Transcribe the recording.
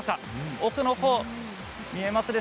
奥のほう見えますか。